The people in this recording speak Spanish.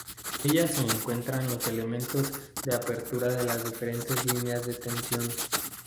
En ella se encuentran los elementos de apertura de las diferentes líneas de tension.